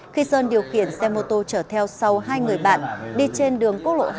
khi sơn điều khiển xe mô tô chở theo sau hai người bạn đi trên đường quốc lộ hai